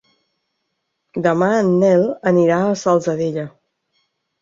Demà en Nel anirà a la Salzadella.